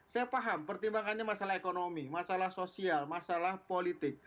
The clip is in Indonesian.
saya paham pertimbangannya masalah ekonomi masalah sosial masalah politik